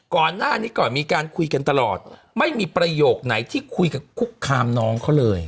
ก่อนหน้านี้ก่อนมีการคุยกันตลอดไม่มีประโยคไหนที่คุยกับคุกคามน้องเขาเลย